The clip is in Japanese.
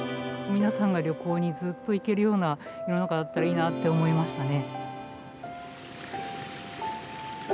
皆さんが旅行にずっと行けるような世の中だったらいいなと思いましたね。